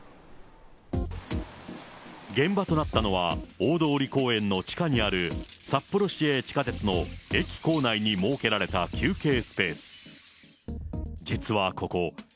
現場となったのは大通公園の地下にある札幌市営地下鉄の駅構内に設けられた休憩スペース。